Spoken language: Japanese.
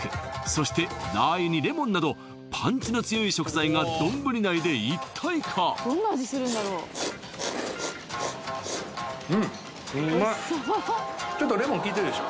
そしてラー油にレモンなどパンチの強い食材が丼内で一体化ちょっとレモンきいてるでしょ